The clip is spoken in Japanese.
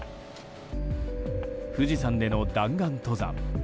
富士山での弾丸登山。